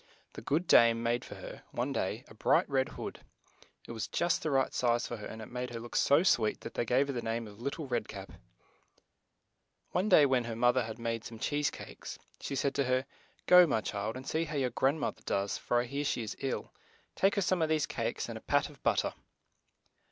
The good dame made for her, one day, a bright red hood. It was just the right size for her, and it made her look so sweet that they gave her the name of Lit tie Red Cap. One day when her moth er had made some cheese cakes, she said to her, "Go, my child, and see how your grand moth er does, for I hear she is ill ; take her some of these cakes, and a pat of but ter."